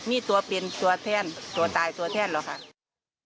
มีตัวบินตัวแทนท์ตัวตายตัวแทนท์หรอกครับ